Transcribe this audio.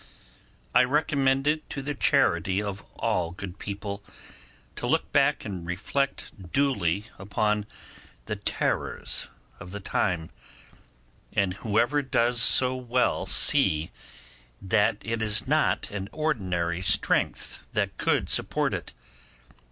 I recommend it to the charity of all good people to look back and reflect duly upon the terrors of the time, and whoever does so will see that it is not an ordinary strength that could support it.